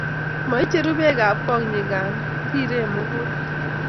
moicheruu beekab kong nyikana, riren mugulel